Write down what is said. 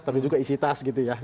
tapi juga isi tas gitu ya